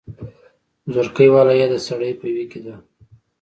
زورکۍ واله يا د سړۍ په ویي کې ده